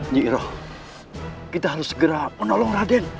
nyi iroh kita harus segera menolong raden